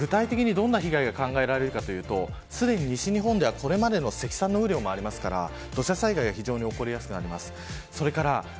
具体的にどんな被害が考えられるかというとすでに西日本ではこれまでの積算の雨量もありますから土砂災害が非常に起こりやすくなります。